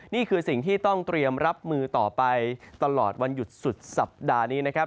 นี่คือสิ่งที่ต้องเตรียมรับมือต่อไปตลอดวันหยุดสุดสัปดาห์นี้นะครับ